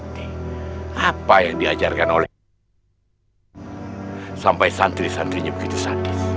tapi aku merasa